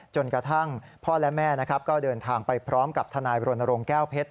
จนกระทั่งพ่อและแม่นะครับก็เดินทางไปพร้อมกับทนายบรณรงค์แก้วเพชร